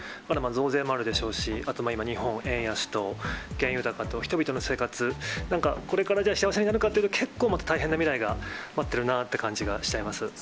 まだまだ増税もあるでしょうし、あと、日本、円安と原油高と、人々の生活、なんかこれから、じゃあ、幸せになるかっていうと、結構、大変な未来が待ってるなって感じがしちゃいます。